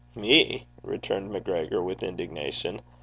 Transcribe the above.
'Me!' returned MacGregor, with indignation.